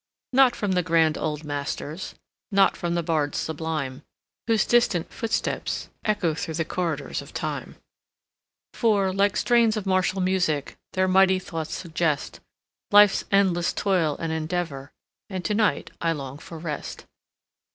Not from the grand old masters, Not from the bards sublime, Whose distant footsteps echo Through the corridors of Time, For, like strains of martial music, Their mighty thoughts suggest Life's endless toil and endeavor; And tonight I long for rest.